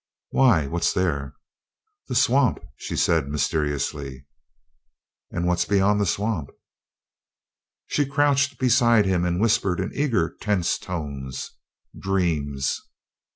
"Why, what's there?" "The swamp," she said mysteriously. "And what's beyond the swamp?" She crouched beside him and whispered in eager, tense tones: "Dreams!"